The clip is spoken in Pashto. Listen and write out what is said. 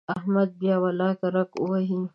احمد بیا ولاکه رګ ووهي.